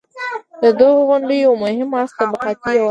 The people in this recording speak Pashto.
د دغو غونډو یو مهم اړخ طبقاتي یووالی و.